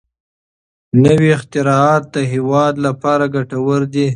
نوي اختراعات د هېواد لپاره ګټور دي.